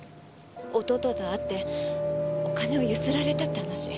弟と会ってお金をゆすられたって話。